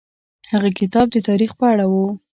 هغه کتاب د تاریخ په اړه و.